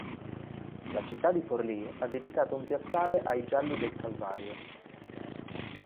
La città di Forlì ha dedicato un piazzale ai "Gialli del Calvario".